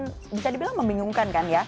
sebenarnya semakin bisa dibilang membingungkan